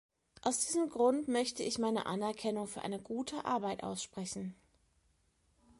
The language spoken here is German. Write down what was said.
Aus diesem Grund möchte ich meine Anerkennung für eine gute Arbeit aussprechen.